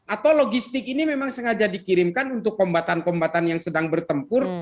atau logistik ini memang sengaja dikirimkan untuk kombatan kombatan yang sedang bertempur